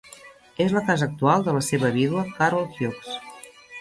És la casa actual de la seva vídua Carol Hugues.